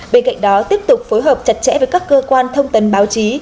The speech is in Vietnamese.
bên cạnh đó tiếp tục phối hợp chặt chẽ với các cơ quan thông tấn báo chí